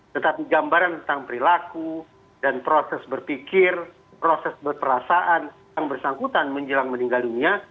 tetapi gambaran tentang perilaku dan proses berpikir proses berperasaan yang bersangkutan menjelang meninggal dunia